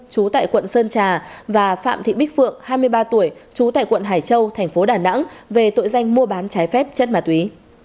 chú tại quận sơn trà và phạm thị bích phượng hai mươi ba tuổi chú tại quận hải châu tp đà nẵng về tội danh mua bán trái phép chất mà túy